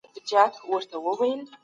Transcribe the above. راکده پانګه په بانکونو کي ساتل کیږي.